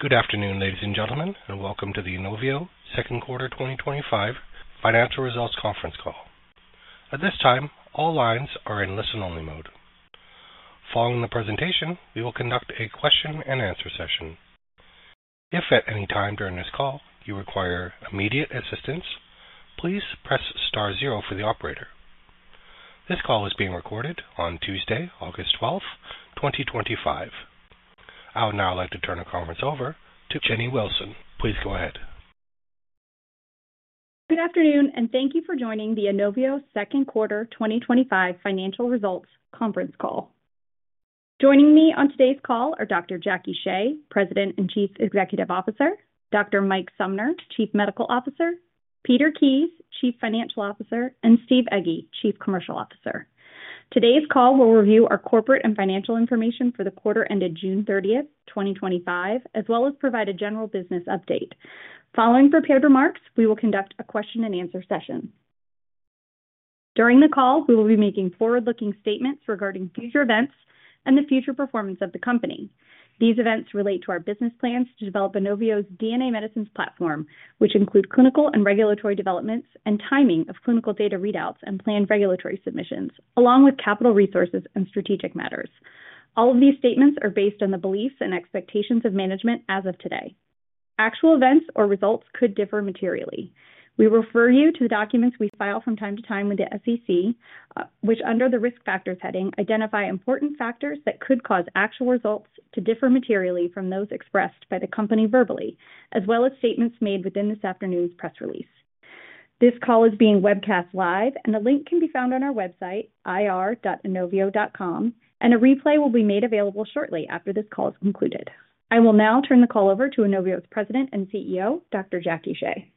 Good afternoon, ladies and gentlemen, and welcome to the Inovio Pharmaceuticals Second Quarter 2025 Financial Results Conference Call. At this time, all lines are in listen-only mode. Following the presentation, we will conduct a question-and-answer session. If at any time during this call you require immediate assistance, please press star zero for the operator. This call is being recorded on Tuesday, August 12, 2025. I would now like to turn the conference over to Jennie Willson. Please go ahead. Good afternoon, and thank you for joining the Inovio Second Quarter 2025 Financial Results Conference call. Joining me on today's call are Dr. Jacqueline Shea, President and Chief Executive Officer, Dr. Michael Sumner, Chief Medical Officer, Peter Kies, Chief Financial Officer, and Steve Egge, Chief Commercial Officer. Today's call will review our corporate and financial information for the quarter ended June 30th, 2025, as well as provide a general business update. Following prepared remarks, we will conduct a question-and-answer session. During the call, we will be making forward-looking statements regarding future events and the future performance of the company. These events relate to our business plans to develop Inovio's DNA medicines platform, which include clinical and regulatory developments and timing of clinical data readouts and planned regulatory submissions, along with capital resources and strategic matters. All of these statements are based on the beliefs and expectations of management as of today. Actual events or results could differ materially. We refer you to the documents we file from time to time with the SEC, which, under the risk factors heading, identify important factors that could cause actual results to differ materially from those expressed by the company verbally, as well as statements made within this afternoon's press release. This call is being webcast live, and the link can be found on our website, ir.inovio.com, and a replay will be made available shortly after this call is concluded. I will now turn the call over to Inovio's President and CEO, Dr. Jacqueline Shea.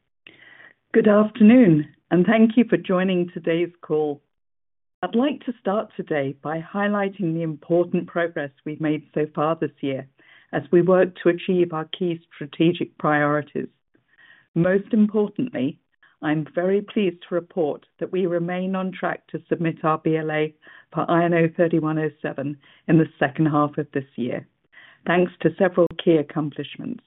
Good afternoon, and thank you for joining today's call. I'd like to start today by highlighting the important progress we've made so far this year as we work to achieve our key strategic priorities. Most importantly, I'm very pleased to report that we remain on track to submit our BLA for INO-3107 in the second half of this year, thanks to several key accomplishments.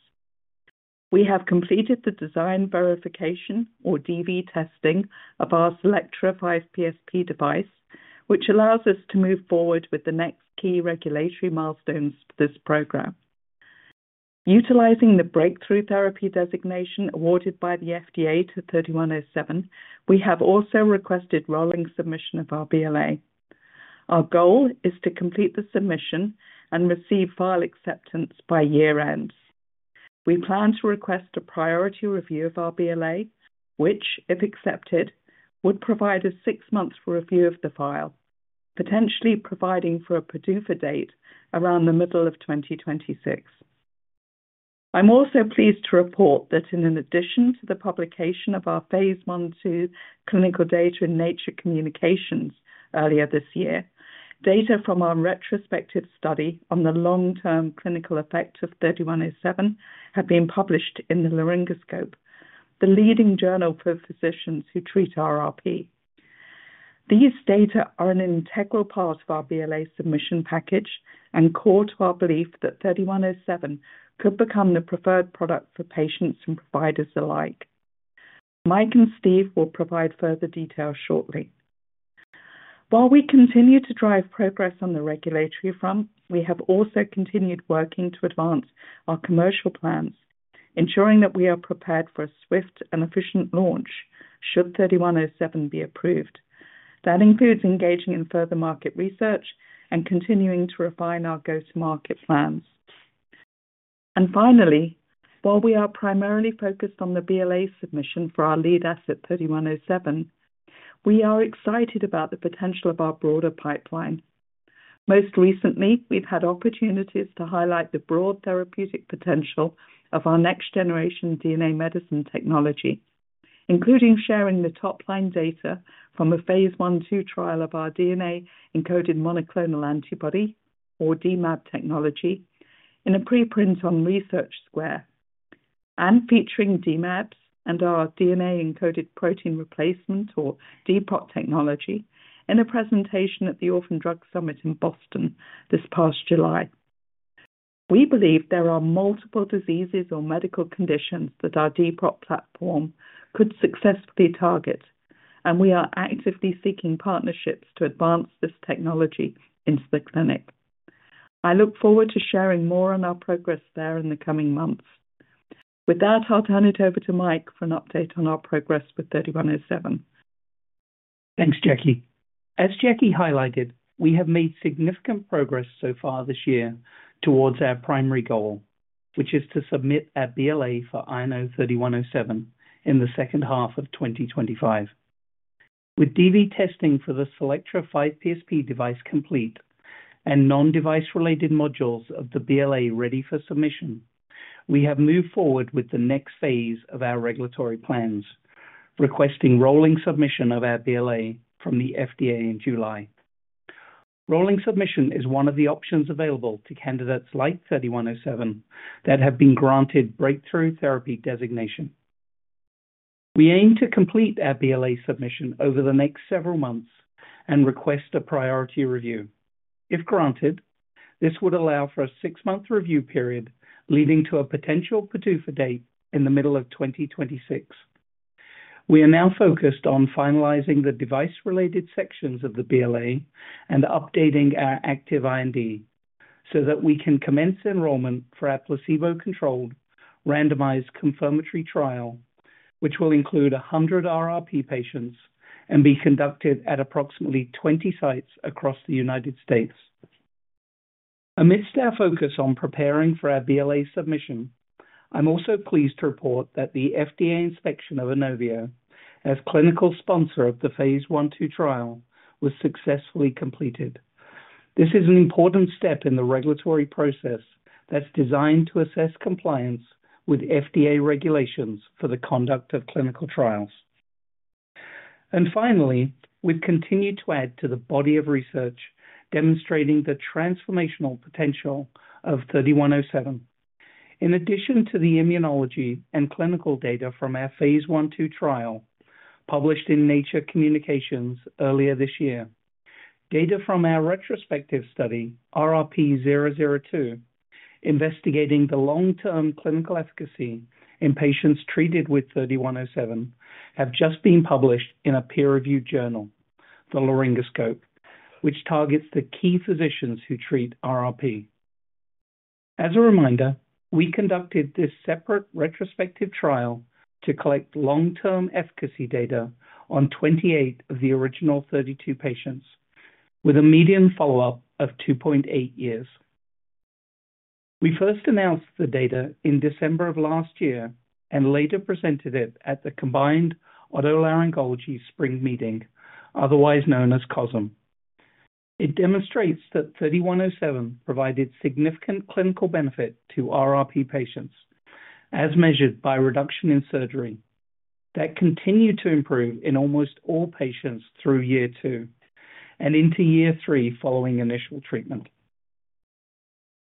We have completed the design verification, or DV testing, of our SelectRe5 PSP device, which allows us to move forward with the next key regulatory milestones for this program. Utilizing the Breakthrough Therapy designation awarded by the FDA to 3107, we have also requested rolling submission of our BLA. Our goal is to complete the submission and receive file acceptance by year end. We plan to request a priority review of our BLA, which, if accepted, would provide us six months for review of the file, potentially providing for a PDUFA date around the middle of 2026. I'm also pleased to report that in addition to the publication of our phase I-II clinical data in Nature Communications earlier this year, data from our retrospective study on the long-term clinical effect of 3107 have been published in The Laryngoscope, the leading journal for physicians who treat RRP. These data are an integral part of our BLA submission package and core to our belief that 3107 could become the preferred product for patients and providers alike. Mike and Steve will provide further detail shortly. While we continue to drive progress on the regulatory front, we have also continued working to advance our commercial plans, ensuring that we are prepared for a swift and efficient launch should 3107 be approved. That includes engaging in further market research and continuing to refine our go-to-market plans. Finally, while we are primarily focused on the BLA submission for our lead asset 3107, we are excited about the potential of our broader pipeline. Most recently, we've had opportunities to highlight the broad therapeutic potential of our next-generation DNA medicine technology, including sharing the top-line data from a phase I-II trial of our DNA-encoded monoclonal antibody, or DMAP technology, in a preprint on ResearchSquare, and featuring DMAPs and our DNA-encoded protein replacement, or DPOT technology, in a presentation at the Orphan Drug Summit in Boston this past July. We believe there are multiple diseases or medical conditions that our DPOT platform could successfully target, and we are actively seeking partnerships to advance this technology into the clinic. I look forward to sharing more on our progress there in the coming months. With that, I'll turn it over to Mike for an update on our progress with 3107. Thanks, Jackie. As Jackie highlighted, we have made significant progress so far this year towards our primary goal, which is to submit our BLA for INO-3107 in the second half of 2025. With DV testing for the SelectRe5 PSP device complete and non-device-related modules of the BLA ready for submission, we have moved forward with the next phase of our regulatory plans, requesting rolling submission of our BLA from the FDA in July. Rolling submission is one of the options available to candidates like 3107 that have been granted Breakthrough Therapy designation. We aim to complete our BLA submission over the next several months and request a priority review. If granted, this would allow for a six-month review period leading to a potential PDUFA date in the middle of 2026. We are now focused on finalizing the device-related sections of the BLA and updating our active IND so that we can commence enrollment for our placebo-controlled randomized confirmatory trial, which will include 100 RRP patients and be conducted at approximately 20 sites across the U.S. Amidst our focus on preparing for our BLA submission, I'm also pleased to report that the FDA inspection of Inovio as clinical sponsor of the phase I-II trial was successfully completed. This is an important step in the regulatory process that's designed to assess compliance with FDA regulations for the conduct of clinical trials. Finally, we've continued to add to the body of research demonstrating the transformational potential of 3107. In addition to the immunology and clinical data from our phase I-II trial published in Nature Communications earlier this year, data from our retrospective study, RRP 002, investigating the long-term clinical efficacy in patients treated with 3107, have just been published in a peer-reviewed journal, The Laryngoscope, which targets the key physicians who treat RRP. As a reminder, we conducted this separate retrospective trial to collect long-term efficacy data on 28 of the original 32 patients, with a median follow-up of 2.8 years. We first announced the data in December of last year and later presented it at the Combined Otolaryngology Spring Meeting, otherwise known as COSM. It demonstrates that 3107 provided significant clinical benefit to RRP patients, as measured by reduction in surgery, that continued to improve in almost all patients through year two and into year three following initial treatment.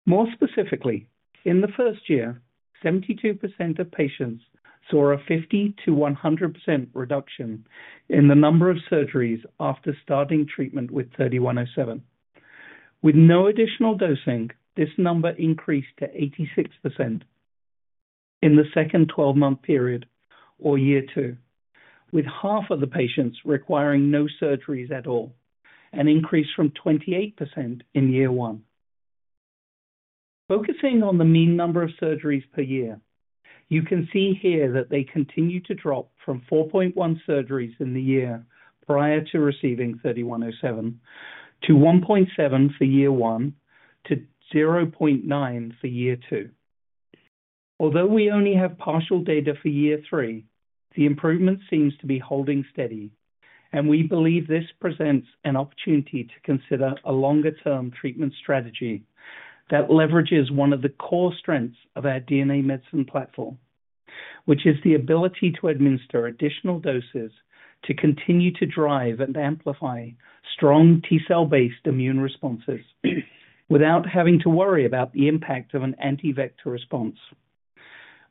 More specifically, in the first year, 72% of patients saw a 50%-100% reduction in the number of surgeries after starting treatment with 3107. With no additional dosing, this number increased to 86% in the second 12-month period or year two, with half of the patients requiring no surgeries at all, an increase from 28% in year one. Focusing on the mean number of surgeries per year, you can see here that they continue to drop from 4.1 surgeries in the year prior to receiving 3107 to 1.7 for year one to 0.9 for year two. Although we only have partial data for year three, the improvement seems to be holding steady, and we believe this presents an opportunity to consider a longer-term treatment strategy that leverages one of the core strengths of our DNA medicine platform, which is the ability to administer additional doses to continue to drive and amplify strong T-cell-based immune responses without having to worry about the impact of an anti-vector response.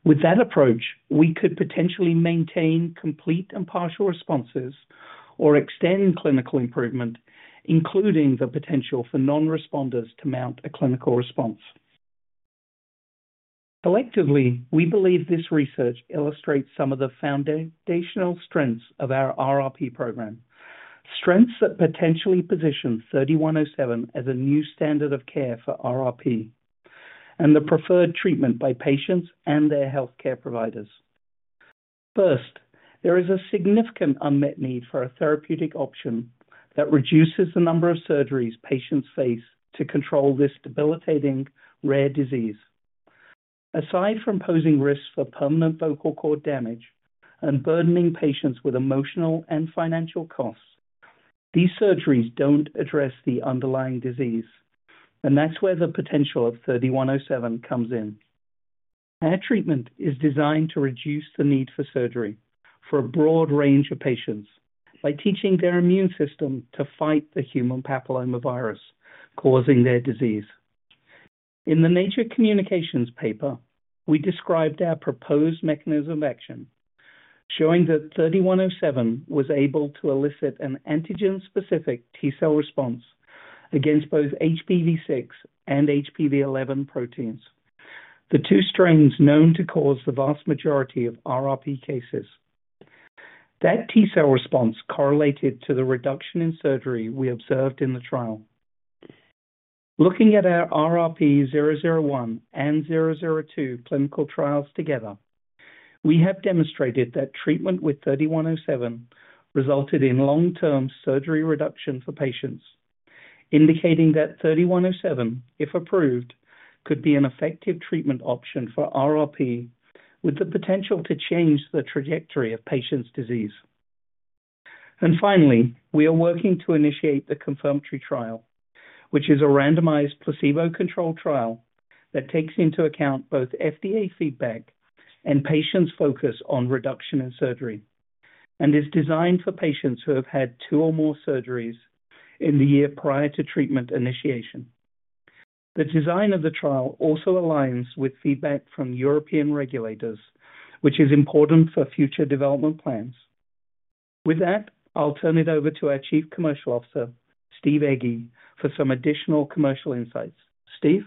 With that approach, we could potentially maintain complete and partial responses or extend clinical improvement, including the potential for non-responders to mount a clinical response. Collectively, we believe this research illustrates some of the foundational strengths of our RRP program, strengths that potentially position 3107 as a new standard of care for recurrent respiratory papillomatosis and the preferred treatment by patients and their healthcare providers. First, there is a significant unmet need for a therapeutic option that reduces the number of surgeries patients face to control this debilitating rare disease. Aside from posing risks for permanent vocal cord damage and burdening patients with emotional and financial costs, these surgeries don't address the underlying disease, and that's where the potential of 3107 comes in. Our treatment is designed to reduce the need for surgery for a broad range of patients by teaching their immune system to fight the human papillomavirus causing their disease. In the Nature Communications paper, we described our proposed mechanism of action, showing that 3107 was able to elicit an antigen-specific T-cell response against both HPV6 and HPV11 proteins, the two strains known to cause the vast majority of recurrent respiratory papillomatosis cases. That T-cell response correlated to the reduction in surgery we observed in the trial. Looking at our RRP 001 and RRP 002 clinical trials together, we have demonstrated that treatment with 3107 resulted in long-term surgery reduction for patients, indicating that 3107, if approved, could be an effective treatment option for RRP with the potential to change the trajectory of patients' disease. Finally, we are working to initiate the confirmatory trial, which is a randomized placebo-controlled trial that takes into account both FDA feedback and patients' focus on reduction in surgery and is designed for patients who have had two or more surgeries in the year prior to treatment initiation. The design of the trial also aligns with feedback from European regulators, which is important for future development plans. With that, I'll turn it over to our Chief Commercial Officer, Steve Egge, for some additional commercial insights. Steve?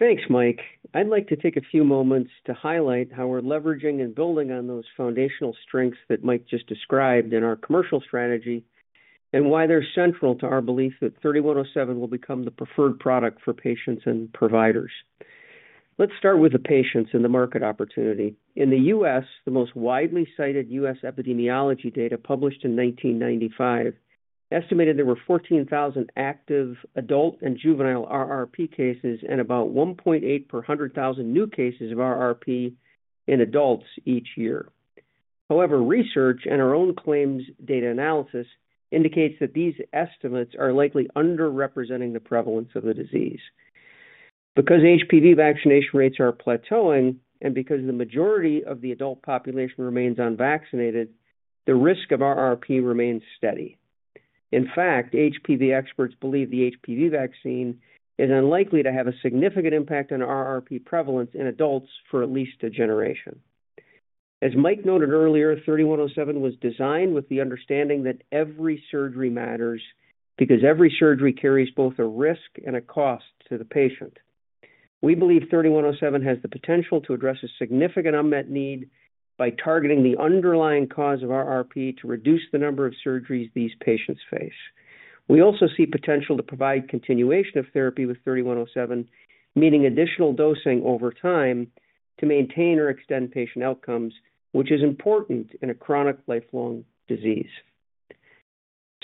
Thanks, Mike. I'd like to take a few moments to highlight how we're leveraging and building on those foundational strengths that Mike just described in our commercial strategy and why they're central to our belief that 3107 will become the preferred product for patients and providers. Let's start with the patients and the market opportunity. In the U.S., the most widely cited U.S. epidemiology data published in 1995 estimated there were 14,000 active adult and juvenile RRP cases and about 1.8 per 100,000 new cases of RRP in adults each year. However, research and our own claims data analysis indicate that these estimates are likely underrepresenting the prevalence of the disease. Because HPV vaccination rates are plateauing and because the majority of the adult population remains unvaccinated, the risk of RRP remains steady. In fact, HPV experts believe the HPV vaccine is unlikely to have a significant impact on RRP prevalence in adults for at least a generation. As Mike noted earlier, 3107 was designed with the understanding that every surgery matters because every surgery carries both a risk and a cost to the patient. We believe 3107 has the potential to address a significant unmet need by targeting the underlying cause of RRP to reduce the number of surgeries these patients face. We also see potential to provide continuation of therapy with 3107, meaning additional dosing over time to maintain or extend patient outcomes, which is important in a chronic lifelong disease.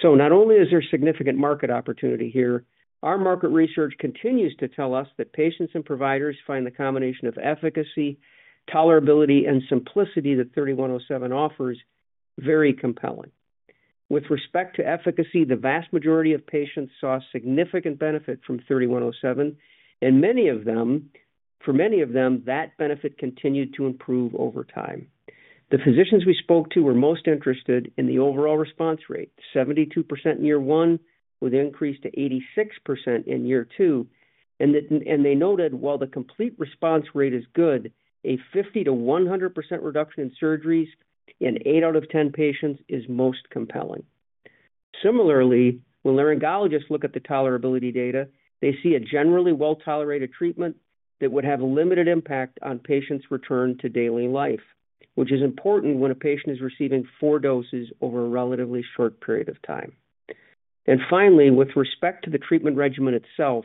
Not only is there significant market opportunity here, our market research continues to tell us that patients and providers find the combination of efficacy, tolerability, and simplicity that 3107 offers very compelling. With respect to efficacy, the vast majority of patients saw significant benefit from 3107, and for many of them, that benefit continued to improve over time. The physicians we spoke to were most interested in the overall response rate, 72% in year one, with an increase to 86% in year two. They noted, while the complete response rate is good, a 50%-100% reduction in surgeries in eight out of ten patients is most compelling. Similarly, when laryngologists look at the tolerability data, they see a generally well-tolerated treatment that would have a limited impact on patients' return to daily life, which is important when a patient is receiving four doses over a relatively short period of time. Finally, with respect to the treatment regimen itself,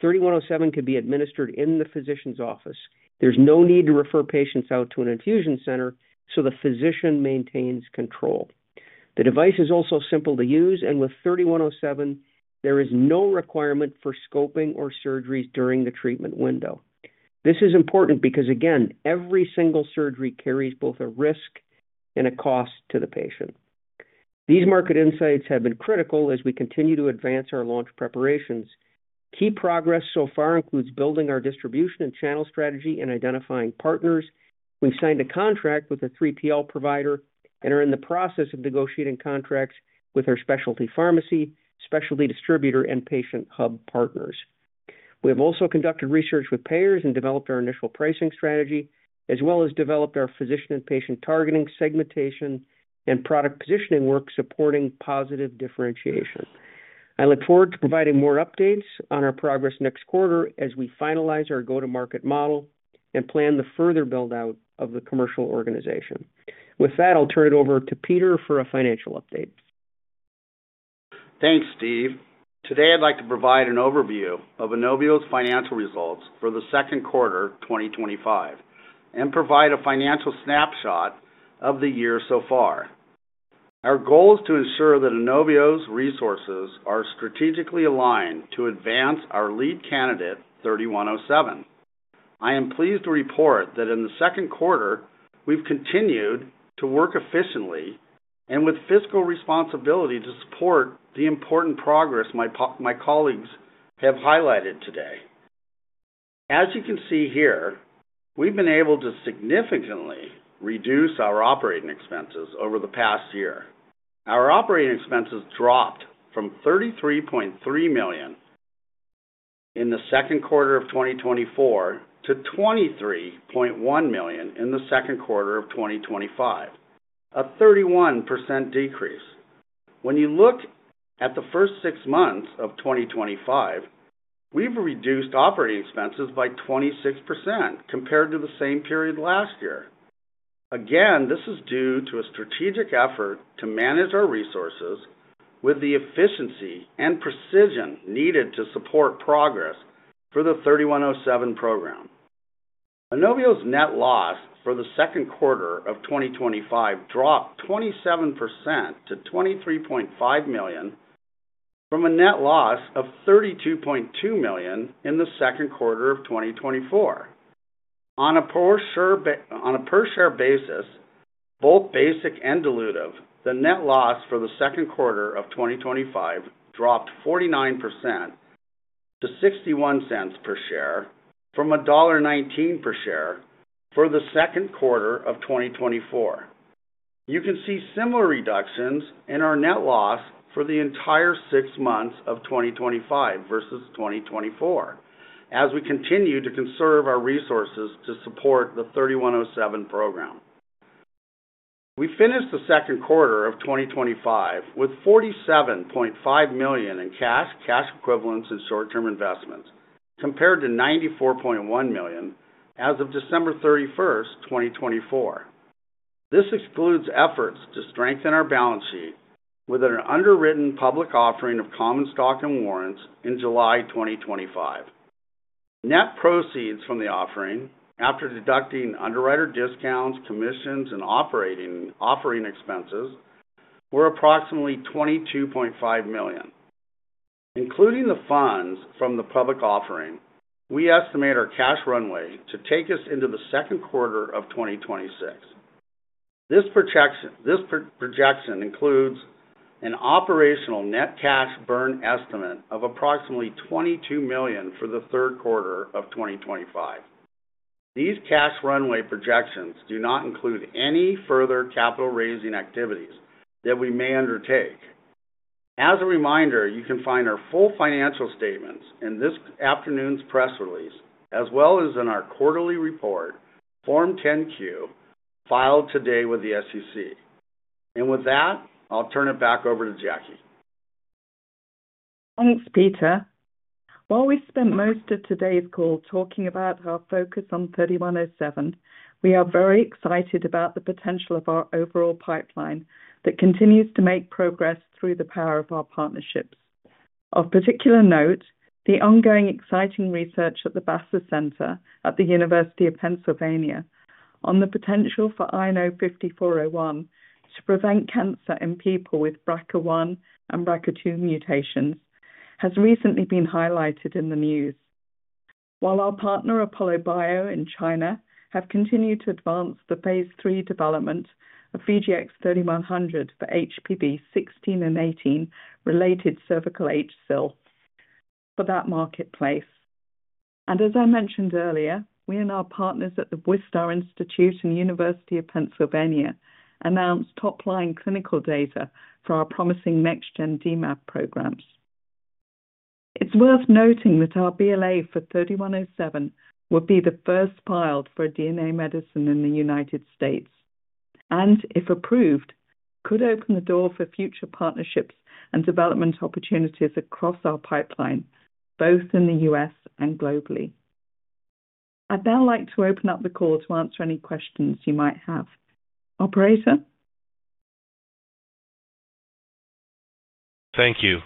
3107 could be administered in the physician's office. There is no need to refer patients out to an infusion center, so the physician maintains control. The device is also simple to use, and with 3107, there is no requirement for scoping or surgeries during the treatment window. This is important because, again, every single surgery carries both a risk and a cost to the patient. These market insights have been critical as we continue to advance our launch preparations. Key progress so far includes building our distribution and channel strategy and identifying partners. We have signed a contract with a 3PL provider and are in the process of negotiating contracts with our specialty pharmacy, specialty distributor, and patient hub partners. We have also conducted research with payers and developed our initial pricing strategy, as well as developed our physician and patient targeting segmentation and product positioning work supporting positive differentiation. I look forward to providing more updates on our progress next quarter as we finalize our go-to-market model and plan the further build-out of the commercial organization. With that, I'll turn it over to Peter for a financial update. Thanks, Steve. Today, I'd like to provide an overview of Inovio's financial results for the second quarter 2025 and provide a financial snapshot of the year so far. Our goal is to ensure that Inovio's resources are strategically aligned to advance our lead candidate, 3107. I am pleased to report that in the second quarter, we've continued to work efficiently and with fiscal responsibility to support the important progress my colleagues have highlighted today. As you can see here, we've been able to significantly reduce our operating expenses over the past year. Our operating expenses dropped from $33.3 million in the second quarter of 2024 to $23.1 million in the second quarter of 2025, a 31% decrease. When you look at the first six months of 2025, we've reduced operating expenses by 26% compared to the same period last year. This is due to a strategic effort to manage our resources with the efficiency and precision needed to support progress for the 3107 program. Inovio's net loss for the second quarter of 2025 dropped 27% to $23.5 million from a net loss of $32.2 million in the second quarter of 2024. On a per-share basis, both basic and dilutive, the net loss for the second quarter of 2025 dropped 49% to $0.61 per share from $1.19 per share for the second quarter of 2024. You can see similar reductions in our net loss for the entire six months of 2025 versus 2024 as we continue to conserve our resources to support the 3107 program. We finished the second quarter of 2025 with $47.5 million in cash, cash equivalents, and short-term investments compared to $94.1 million as of December 31st, 2024. This excludes efforts to strengthen our balance sheet with an underwritten public offering of common stock and warrants in July 2025. Net proceeds from the offering, after deducting underwriter discounts, commissions, and operating expenses, were approximately $22.5 million. Including the funds from the public offering, we estimate our cash runway to take us into the second quarter of 2026. This projection includes an operational net cash burn estimate of approximately $22 million for the third quarter of 2025. These cash runway projections do not include any further capital-raising activities that we may undertake. As a reminder, you can find our full financial statements in this afternoon's press release, as well as in our quarterly report, Form 10-Q, filed today with the SEC. With that, I'll turn it back over to Jackie. Thanks, Peter. While we've spent most of today's call talking about our focus on 3107, we are very excited about the potential of our overall pipeline that continues to make progress through the power of our partnership. Of particular note, the ongoing exciting research at the Bassett Center at the University of Pennsylvania on the potential for INO-5401 to prevent cancer in people with BRCA1 and BRCA2 mutations has recently been highlighted in the news. While our partner, Apollo Bio in China, has continued to advance the phase III development of VGX-3100 for HPV 16 and 18 related cervical H cell for that marketplace. As I mentioned earlier, we and our partners at the Wistar Institute and University of Pennsylvania announced top-line clinical data for our promising next-gen DMAP programs. It's worth noting that our BLA for 3107 would be the first filed for DNA medicine in the U.S., and if approved, could open the door for future partnerships and development opportunities across our pipeline, both in the U.S. and globally. I'd now like to open up the call to answer any questions you might have. Operator? Thank you.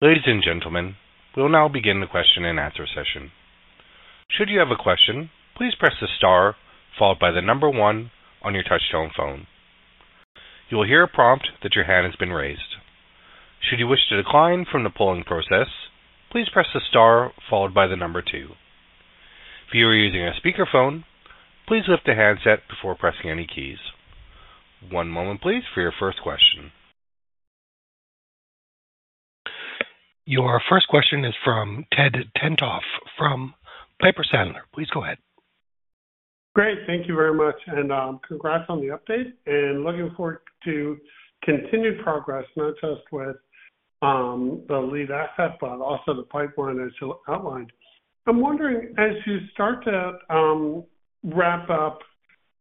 Ladies and gentlemen, we'll now begin the question-and-answer session. Should you have a question, please press the star followed by the number one on your touch-tone phone. You will hear a prompt that your hand has been raised. Should you wish to decline from the polling process, please press the star followed by the number two. If you are using a speaker phone, please lift a handset before pressing any keys. One moment, please, for your first question. Your first question is from Edward Tentoff from Piper Sandler. Please go ahead. Great. Thank you very much. Congrats on the update. Looking forward to continued progress, not just with the lead asset, but also the pipeline as you outlined. I'm wondering, as you start to wrap up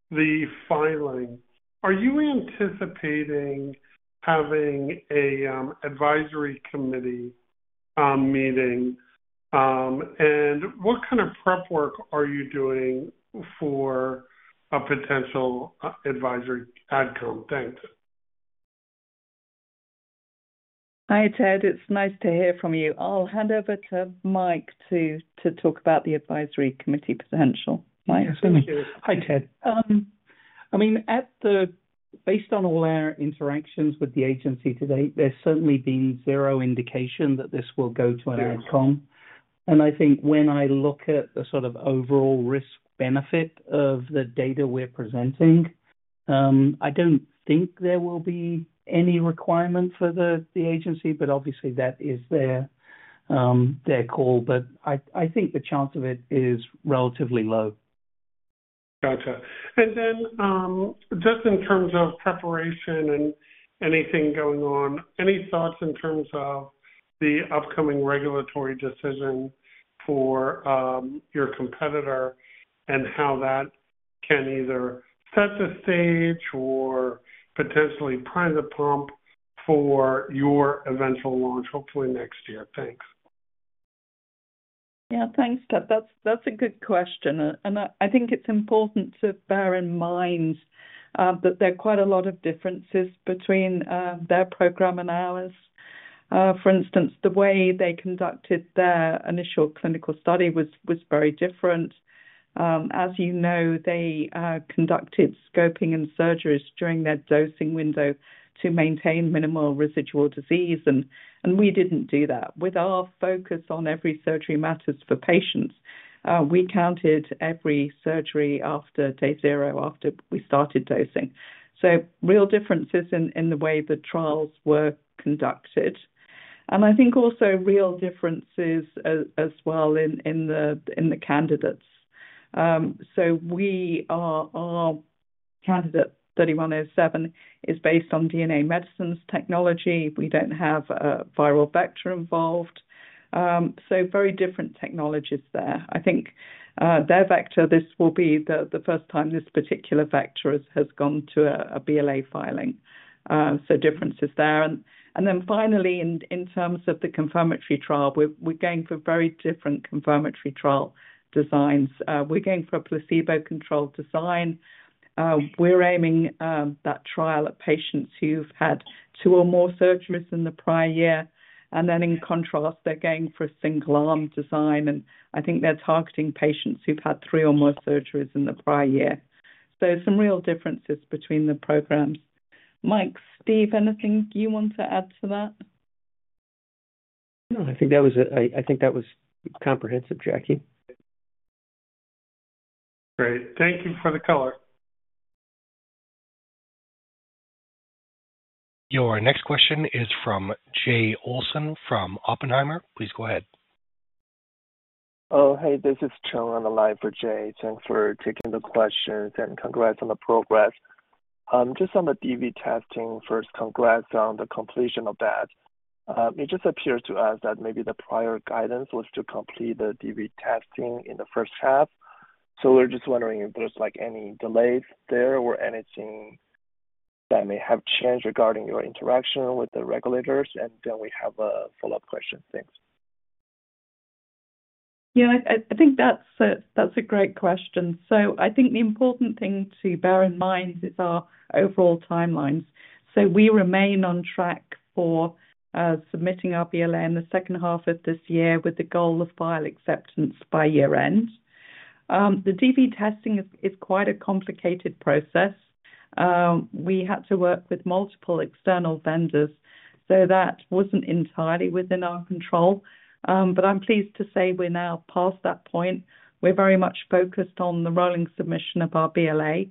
the filing, are you anticipating having an advisory committee meeting? What kind of prep work are you doing for a potential advisory Adcom? Thanks. Hi, Ted. It's nice to hear from you. I'll hand over to Mike to talk about the advisory committee potential. Mike. Yes, thank you. Hi, Ted. Based on all our interactions with the agency today, there's certainly been zero indication that this will go to an Adcom. When I look at the sort of overall risk-benefit of the data we're presenting, I don't think there will be any requirement for the agency, but obviously, that is their call. I think the chance of it is relatively low. Gotcha. In terms of preparation and anything going on, any thoughts in terms of the upcoming regulatory decision for your competitor and how that can either set the stage or potentially prime the pump for your eventual launch, hopefully next year? Thanks. Yeah, thanks, Ted. That's a good question. I think it's important to bear in mind that there are quite a lot of differences between their program and ours. For instance, the way they conducted their initial clinical study was very different. As you know, they conducted scoping and surgeries during their dosing window to maintain minimal residual disease, and we didn't do that. With our focus on every surgery matters for patients, we counted every surgery after day zero after we started dosing. Real differences in the way the trials were conducted. I think also real differences as well in the candidates. Our candidate, 3107, is based on DNA medicines technology. We don't have a viral vector involved. Very different technologies there. I think their vector, this will be the first time this particular vector has gone to a BLA filing. Differences there. Finally, in terms of the confirmatory trial, we're going for very different confirmatory trial designs. We're going for a placebo-controlled design. We're aiming that trial at patients who've had two or more surgeries in the prior year. In contrast, they're going for a single-arm design. I think they're targeting patients who've had three or more surgeries in the prior year. Some real differences between the programs. Mike, Steve, anything you want to add to that? No, I think that was comprehensive, Jackie. Great. Thank you for the color. Your next question is from Jay Olson from Oppenheimer. Please go ahead. Oh, hey, this is Chen on the line for Jay. Thanks for taking the question and congrats on the progress. Just on the DV testing first, congrats on the completion of that. It just appears to us that maybe the prior guidance was to complete the DV testing in the first half. We're just wondering if there's any delays there or anything that may have changed regarding your interaction with the regulators. We have a follow-up question. Thanks. Yeah, I think that's a great question. I think the important thing to bear in mind is our overall timelines. We remain on track for submitting our BLA in the second half of this year with the goal of file acceptance by year end. The DV testing is quite a complicated process. We had to work with multiple external vendors, so that wasn't entirely within our control. I'm pleased to say we're now past that point. We're very much focused on the rolling submission of our BLA,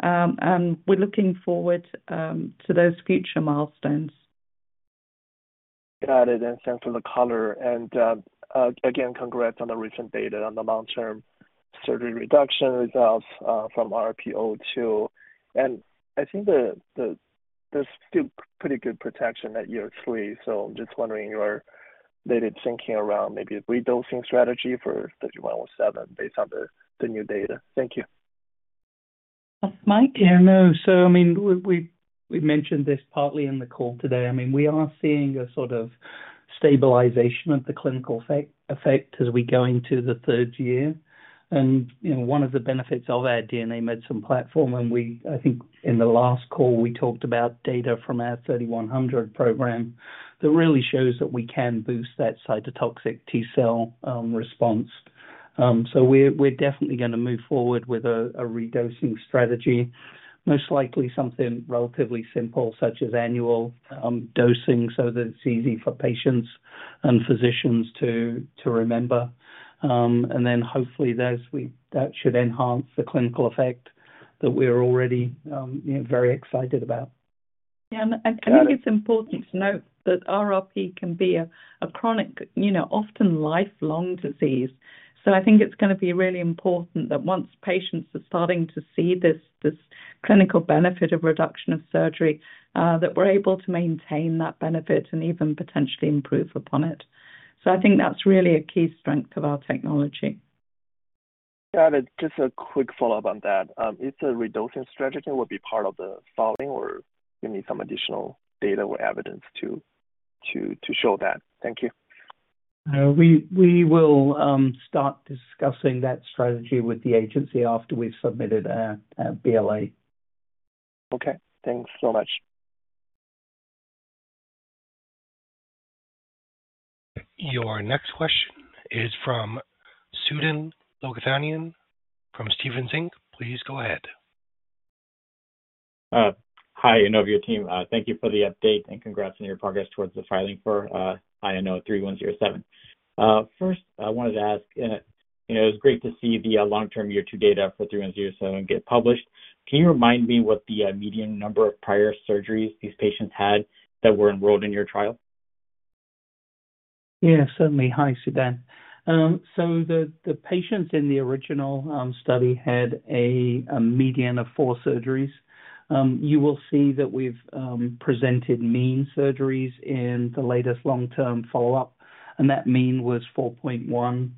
and we're looking forward to those future milestones. Got it. Thanks, Chen, for the color. Again, congrats on the recent data on the long-term surgery reduction results from RPO2. I think there's still pretty good protection at year three. I'm just wondering your latest thinking around maybe a re-dosing strategy for 3107 based on the new data. Thank you. Yeah, no. I mean, we mentioned this partly in the call today. We are seeing a sort of stabilization of the clinical effect as we go into the third year. One of the benefits of our DNA medicine platform, and I think in the last call, we talked about data from our 3100 program that really shows that we can boost that cytotoxic T-cell response. We are definitely going to move forward with a re-dosing strategy, most likely something relatively simple, such as annual dosing, so that it's easy for patients and physicians to remember. Hopefully, that should enhance the clinical effect that we're already very excited about. Yeah, I think it's important to note that RRP can be a chronic, often lifelong disease. I think it's going to be really important that once patients are starting to see this clinical benefit of reduction of surgery, we're able to maintain that benefit and even potentially improve upon it. I think that's really a key strength of our technology. Got it. Just a quick follow-up on that. Is the re-dosing strategy going to be part of the filing, or do you need some additional data or evidence to show that? Thank you. We will start discussing that strategy with the agency after we've submitted our BLA. Okay, thanks so much. Your next question is from Sudan Loganathan from Stephens Inc. Please go ahead. Hi, Inovio team. Thank you for the update and congrats on your progress towards the filing for INO-3107. First, I wanted to ask, it was great to see the long-term year two data for 3107 get published. Can you remind me what the median number of prior surgeries these patients had that were enrolled in your trial? Certainly. Hi, Sudan. The patients in the original study had a median of four surgeries. You will see that we've presented mean surgeries in the latest long-term follow-up, and that mean was 4.1.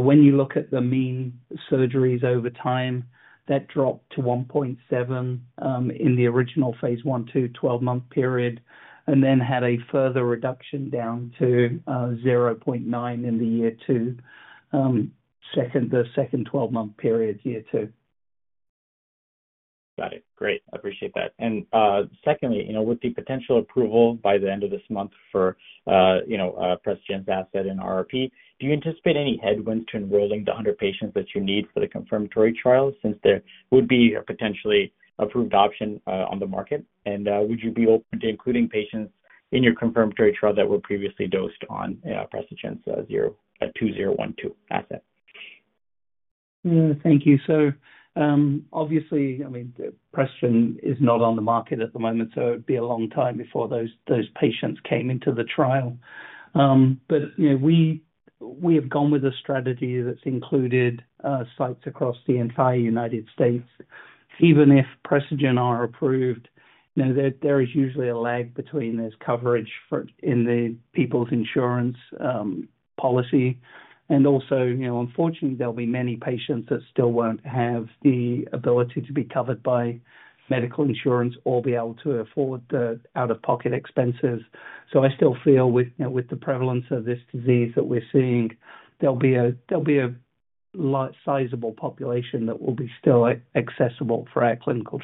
When you look at the mean surgeries over time, that dropped to 1.7 in the original phase I-II 12-month period, and then had a further reduction down to 0.9 in the year two, the second 12-month period year two. Got it. Great. I appreciate that. Secondly, with the potential approval by the end of this month for Prestigen's asset in RRP, do you anticipate any headwinds to enrolling the 100 patients that you need for the confirmatory trial since there would be a potentially approved option on the market? Would you be open to including patients in your confirmatory trial that were previously dosed on Prestigen's 201-2 asset? Yeah, thank you. Obviously, I mean, Prestigen is not on the market at the moment, so it'd be a long time before those patients came into the trial. We have gone with a strategy that's included sites across the entire U.S. Even if Prestigen are approved, there is usually a lag between this coverage in the people's insurance policy. Also, unfortunately, there'll be many patients that still won't have the ability to be covered by medical insurance or be able to afford the out-of-pocket expenses. I still feel with the prevalence of this disease that we're seeing, there'll be a sizable population that will be still accessible for our clinical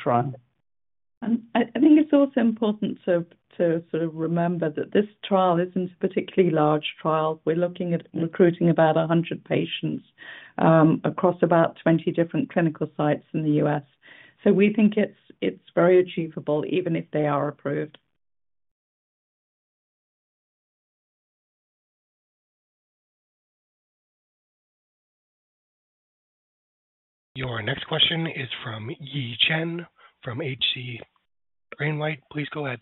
trial. I think it's also important to sort of remember that this trial isn't a particularly large trial. We're looking at recruiting about 100 patients across about 20 different clinical sites in the U.S. We think it's very achievable even if they are approved. Your next question is from Yi Chen from H.C. Wainwright. Please go ahead.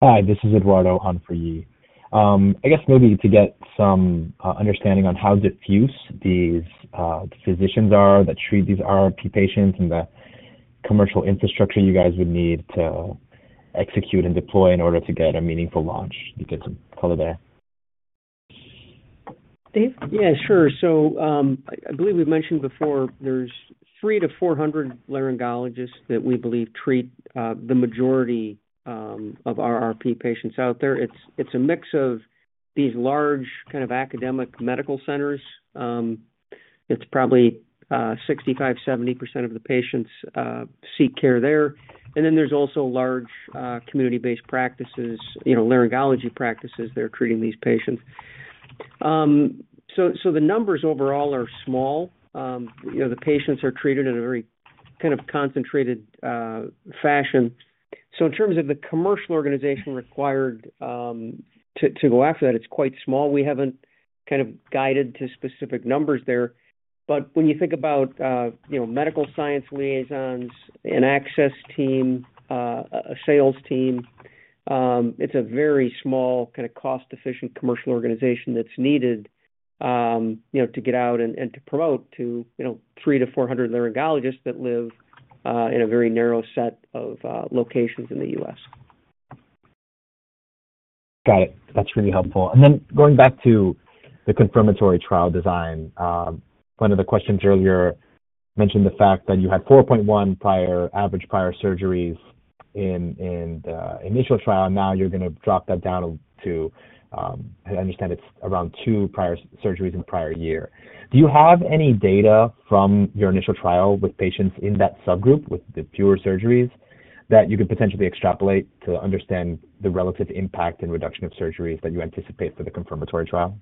Hi, this is Eduardo on for Yi. I guess maybe to get some understanding on how diffuse these physicians are that treat these RRP patients and the commercial infrastructure you guys would need to execute and deploy in order to get a meaningful launch. You get some color there. Steve? Yeah, sure. I believe we've mentioned before, there's 300-400 laryngologists that we believe treat the majority of RRP patients out there. It's a mix of these large kind of academic medical centers. It's probably 65%-70% of the patients seek care there. There's also large community-based practices, you know, laryngology practices that are treating these patients. The numbers overall are small. The patients are treated in a very kind of concentrated fashion. In terms of the commercial organization required to go after that, it's quite small. We haven't kind of guided to specific numbers there. When you think about, you know, medical science liaisons, an access team, a sales team, it's a very small kind of cost-efficient commercial organization that's needed, you know, to get out and to promote to, you know, 300 to 400 laryngologists that live in a very narrow set of locations in the U.S. Got it. That's really helpful. Going back to the confirmatory trial design, one of the questions earlier mentioned the fact that you had 4.1 average prior surgeries in the initial trial, and now you're going to drop that down to, I understand it's around two prior surgeries in the prior year. Do you have any data from your initial trial with patients in that subgroup with the fewer surgeries that you could potentially extrapolate to understand the relative impact and reduction of surgeries that you anticipate for the confirmatory trial?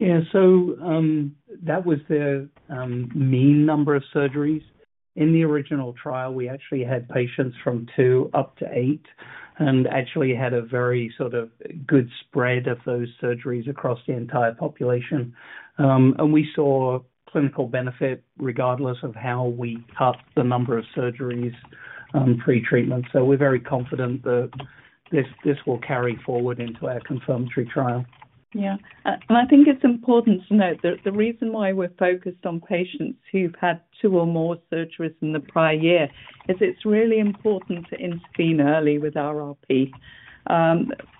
Yeah, that was the mean number of surgeries. In the original trial, we actually had patients from two up to eight and actually had a very good spread of those surgeries across the entire population. We saw clinical benefit regardless of how we cut the number of surgeries pre-treatment. We're very confident that this will carry forward into our confirmatory trial. I think it's important to note that the reason why we're focused on patients who've had two or more surgeries in the prior year is it's really important to intervene early with RRP.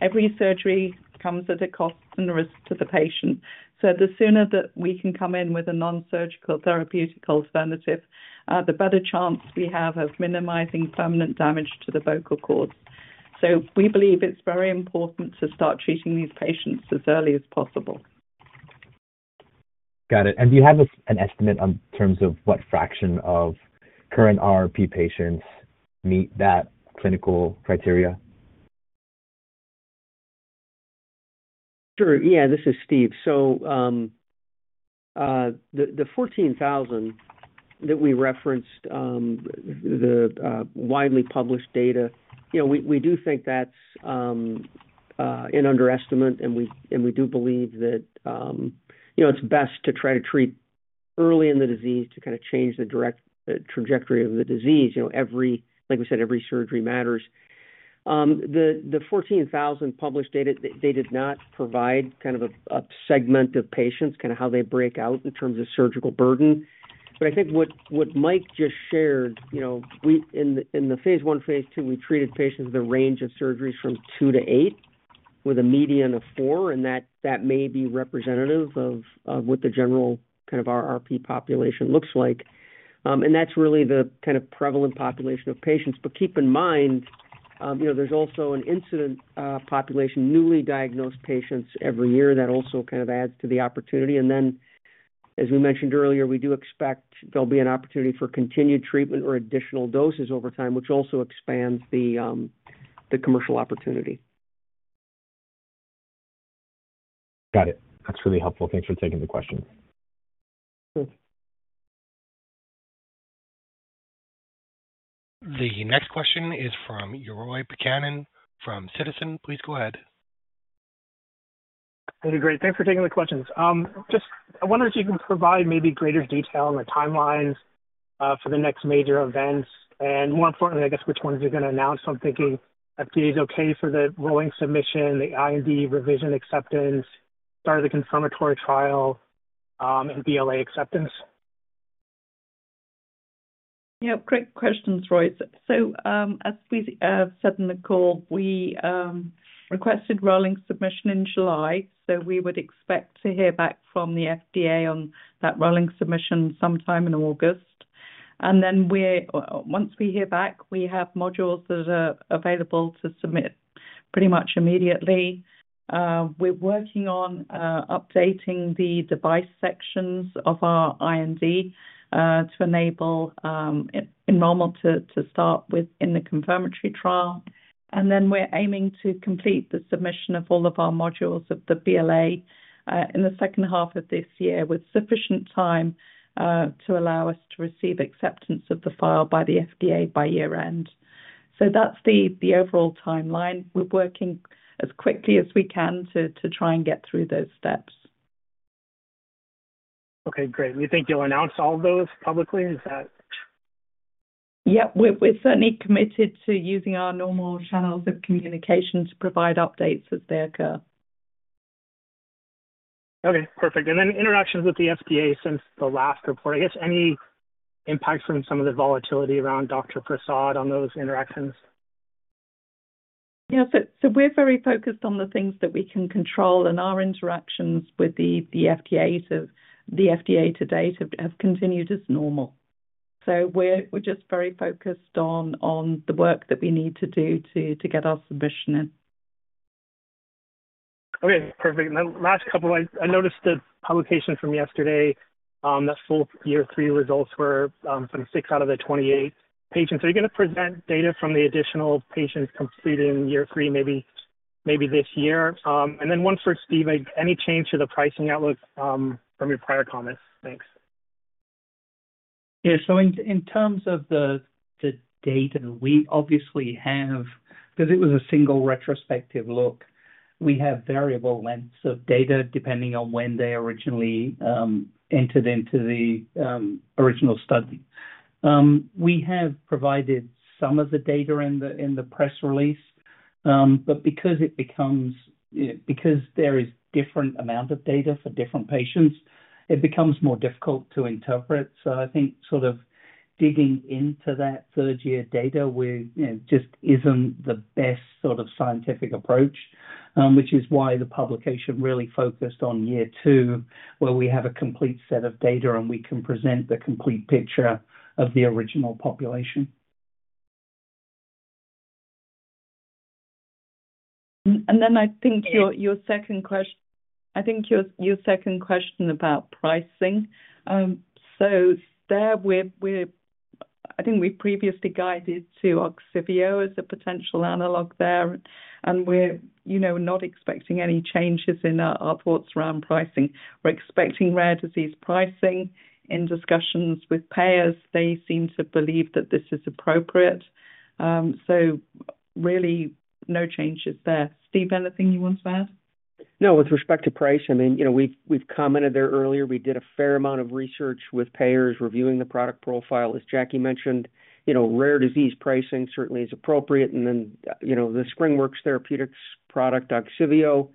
Every surgery comes at a cost and risk to the patient. The sooner that we can come in with a non-surgical therapeutic alternative, the better chance we have of minimizing permanent damage to the vocal cords. We believe it's very important to start treating these patients as early as possible. Got it. Do you have an estimate in terms of what fraction of current RRP patients meet that clinical criteria? Sure. Yeah, this is Steve. The 14,000 that we referenced, the widely published data, we do think that's an underestimate, and we do believe that it's best to try to treat early in the disease to kind of change the direct trajectory of the disease. Every, like we said, every surgery matters. The 14,000 published data did not provide kind of a segment of patients, kind of how they break out in terms of surgical burden. I think what Mike just shared, in the phase I, phase II, we treated patients with a range of surgeries from two to eight with a median of four, and that may be representative of what the general kind of RRP population looks like. That's really the kind of prevalent population of patients. Keep in mind, there's also an incident population, newly diagnosed patients every year that also kind of adds to the opportunity. As we mentioned earlier, we do expect there'll be an opportunity for continued treatment or additional doses over time, which also expands the commercial opportunity. Got it. That's really helpful. Thanks for taking the question. The next question is from Roy Buchanan from Citizens JMP. Please go ahead. Hey. Thanks for taking the questions. I wonder if you can provide maybe greater detail on the timelines for the next major events. More importantly, I guess which ones you're going to announce. I'm thinking FDA is okay for the rolling submission, the IND revision acceptance, start of the confirmatory trial, and BLA acceptance. Great questions, Roy. As we have said in the call, we requested rolling submission in July. We would expect to hear back from the FDA on that rolling submission sometime in August. Once we hear back, we have modules that are available to submit pretty much immediately. We're working on updating the device sections of our IND to enable enrollment to start within the confirmatory trial. We're aiming to complete the submission of all of our modules of the BLA in the second half of this year with sufficient time to allow us to receive acceptance of the file by the FDA by year end. That's the overall timeline. We're working as quickly as we can to try and get through those steps. Okay, great. Do you think you'll announce all of those publicly? Yeah, we're certainly committed to using our normal channels of communication to provide updates as they occur. Okay, perfect. Any interactions with the FDA since the last report? I guess any impact from some of the volatility around Dr. Prasad on those interactions? Yeah, we're very focused on the things that we can control, and our interactions with the FDA to date have continued as normal. We're just very focused on the work that we need to do to get our submission in. Okay, perfect. The last couple of ones, I noticed this publication from yesterday that full year three results were from 6 out of the 28 patients. Are you going to present data from the additional patients completing year three, maybe this year? One for Steve, any change to the pricing outlook from your prior comments? Thanks. Yeah, in terms of the data, we obviously have, because it was a single retrospective look, variable lengths of data depending on when they originally entered into the original study. We have provided some of the data in the press release. Because there is a different amount of data for different patients, it becomes more difficult to interpret. I think sort of digging into that third-year data just isn't the best sort of scientific approach, which is why the publication really focused on year two, where we have a complete set of data and we can present the complete picture of the original population. I think your second question about pricing. We previously guided to Ogsiveo as a potential analog there. We're not expecting any changes in our thoughts around pricing. We're expecting rare disease pricing. In discussions with payers, they seem to believe that this is appropriate. Really, no changes there. Steve, anything you want to add? No, with respect to price, I mean, we've commented there earlier. We did a fair amount of research with payers reviewing the product profile. As Jackie mentioned, rare disease pricing certainly is appropriate. The SpringWorks Therapeutics product Ogsiveo,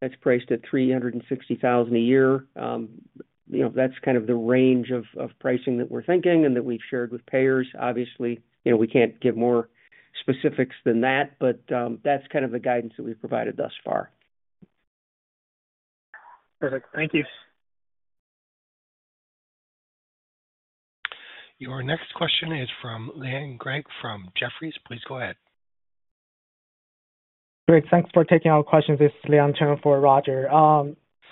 that's priced at $360,000 a year. That's kind of the range of pricing that we're thinking and that we've shared with payers. Obviously, we can't give more specifics than that, but that's kind of the guidance that we've provided thus far. Perfect. Thank you. Your next question is from Lianne Grant from Jefferies. Please go ahead. Great. Thanks for taking our questions. This is Yi Chen for Roger.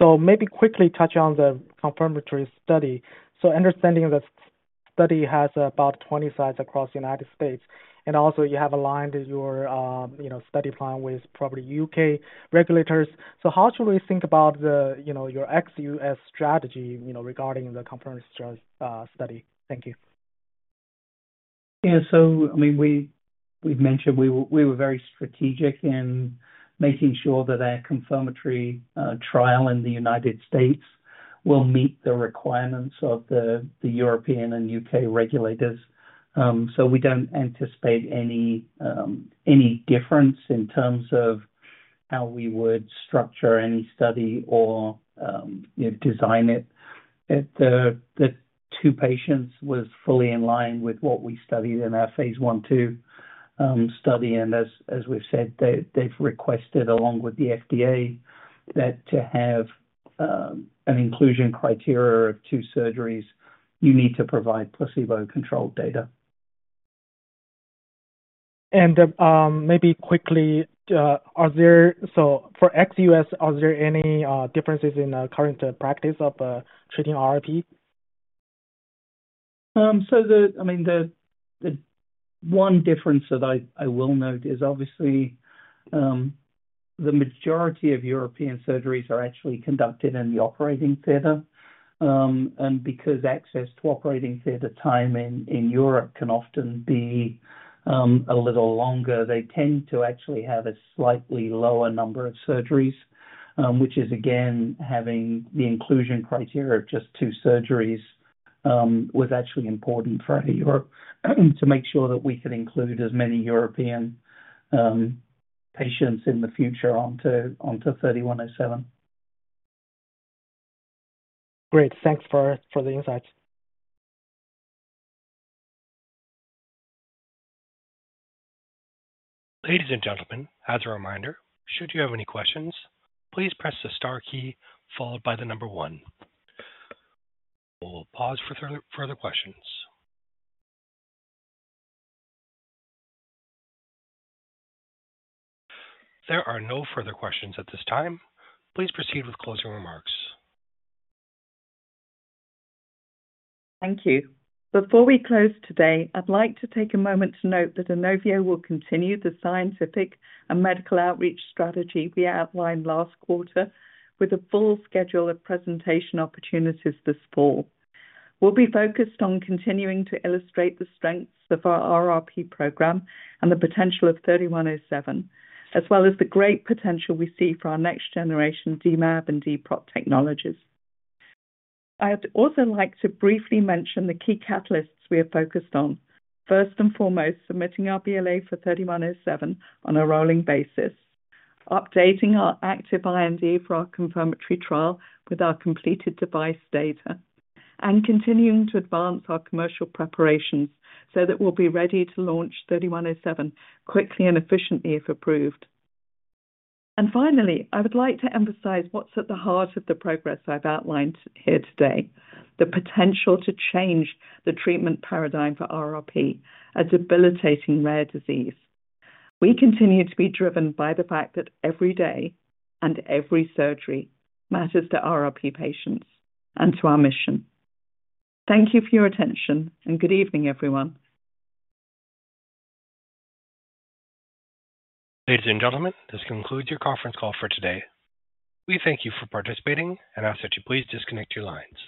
Maybe quickly touch on the confirmatory study. Understanding that the study has about 20 sites across the U.S., and also you have aligned your study plan with probably U.K. regulators. How should we think about your ex-U.S. strategy regarding the confirmatory study? Thank you. Yeah, I mean, we've mentioned we were very strategic in making sure that our confirmatory trial in the U.S. will meet the requirements of the European and UK regulators. We don't anticipate any difference in terms of how we would structure any study or design it. The two patients were fully in line with what we studied in our phase I-II study. As we've said, they've requested along with the FDA to have an inclusion criteria of two surgeries, you need to provide placebo-controlled data. Are there, for ex-U.S., any differences in the current practice of treating RRP? The one difference that I will note is obviously the majority of European surgeries are actually conducted in the operating theater. Because access to operating theater time in Europe can often be a little longer, they tend to actually have a slightly lower number of surgeries, which is again having the inclusion criteria of just two surgeries was actually important for our Europe to make sure that we could include as many European patients in the future onto 3107. Great. Thanks for the insights. Ladies and gentlemen, as a reminder, should you have any questions, please press the star key followed by the number one. We'll pause for further questions. There are no further questions at this time. Please proceed with closing remarks. Thank you. Before we close today, I'd like to take a moment to note that Inovio will continue the scientific and medical outreach strategy we outlined last quarter with a full schedule of presentation opportunities this fall. We'll be focused on continuing to illustrate the strengths of our RRP program and the potential of 3107, as well as the great potential we see for our next-generation DMAP and DPOT technologies. I'd also like to briefly mention the key catalysts we are focused on. First and foremost, submitting our BLA for 3107 on a rolling basis, updating our active IND for our confirmatory trial with our completed device data, and continuing to advance our commercial preparations so that we'll be ready to launch 3107 quickly and efficiently if approved. Finally, I would like to emphasize what's at the heart of the progress I've outlined here today, the potential to change the treatment paradigm for RRP, a debilitating rare disease. We continue to be driven by the fact that every day and every surgery matters to RRP patients and to our mission. Thank you for your attention and good evening, everyone. Ladies and gentlemen, this concludes your conference call for today. We thank you for participating and ask that you please disconnect your lines.